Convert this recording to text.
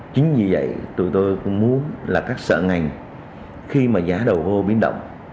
chính vì vậy tụi tôi cũng muốn là các sở ngành khi mà giá đầu vô biến động